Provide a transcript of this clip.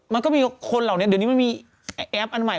มันก็มีคนเหล่านี้เดี๋ยวนี้มันมีแอปอันใหม่